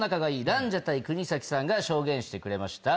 ランジャタイ国崎さんが証言してくれました。